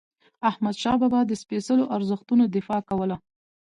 احمدشاه بابا د سپيڅلو ارزښتونو دفاع کوله.